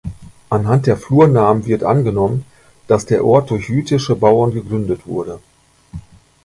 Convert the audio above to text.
Anhand der Flurnamen wird angenommen, dass der Ort durch jütische Bauern gegründet wurde.